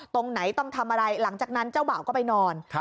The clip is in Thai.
ตรงไหนต้องทำอะไรหลังจากนั้นเจ้าบ่าวก็ไปนอน